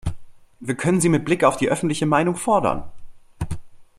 Wir können sie mit Blick auf die öffentliche Meinung fordern.